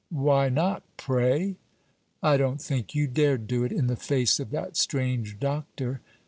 "Why not, pray?" "I don't think you dare do it, in the face of that strange doctor."